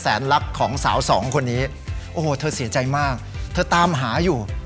ลักษณ์ของสาวสองคนนี้โอ้โหเธอเสียใจมากเธอตามหาอยู่